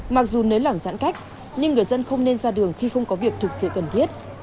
mặc dù nới lỏng giãn cách nhưng người dân không nên ra đường khi không có việc thực sự cần thiết